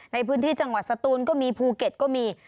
ในพื้นที่จังหวัดสตูนก็มีภูเก็ตก็มี